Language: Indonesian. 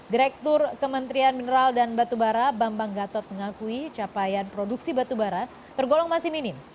direktur kementerian mineral dan batubara bambang gatot mengakui capaian produksi batubara tergolong masih minim